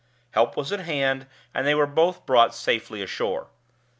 Help was at hand, and they were both brought safely ashore.